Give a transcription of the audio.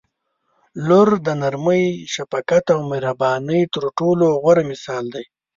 • لور د نرمۍ، شفقت او مهربانۍ تر ټولو غوره مثال دی.